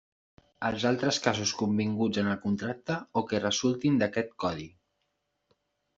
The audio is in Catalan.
Els altres casos convinguts en el contracte o que resultin d'aquest codi.